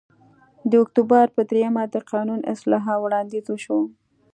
د اکتوبر په درېیمه د قانون اصلاح وړاندیز وشو